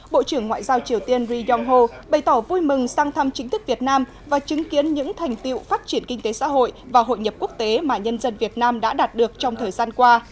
bộ trưởng ngoại giao triều tiên ri yong ho bày tỏ vui mừng sang thăm chính thức việt nam và chứng kiến những thành tiệu phát triển kinh tế xã hội và hội nhập quốc tế mà nhân dân việt nam đã đạt được trong thời gian qua